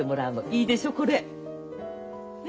いいでしょこれ！ね？